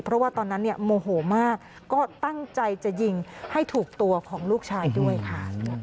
เพราะว่าตอนนั้นเนี่ยโมโหมากก็ตั้งใจจะยิงให้ถูกตัวของลูกชายด้วยค่ะ